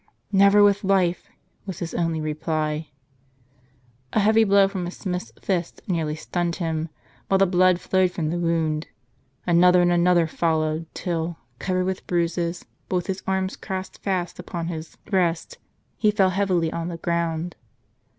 "Never with life," was his only reply. A heavy blow from a smith's fist nearly stunned him, while the blood flowed from the wound. Another and another followed, till, covered with bruises, but with his arms crossed fast upon his breast, he fell heavily on the ground.